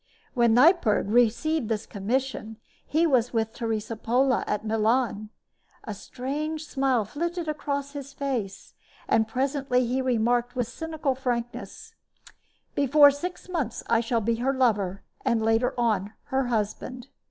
When Neipperg received this commission he was with Teresa Pola at Milan. A strange smile flitted across his face; and presently he remarked, with cynical frankness: "Before six months I shall be her lover, and, later on, her husband."